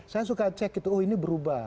saya suka cek itu oh ini berubah